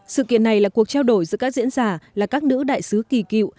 sự kiện này là cuộc trao đổi giữa các diễn giả là các nữ đại sứ kỳ cựu